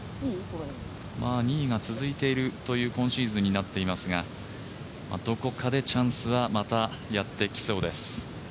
２位が続いているという今シーズンになっていますがどこかでチャンスはまたやってきそうです。